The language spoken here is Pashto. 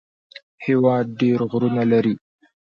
هېواد ډېر غرونه لري